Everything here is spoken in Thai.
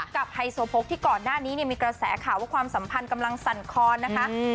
ไฮโซโพกที่ก่อนหน้านี้เนี่ยมีกระแสข่าวว่าความสัมพันธ์กำลังสั่นคอนนะคะ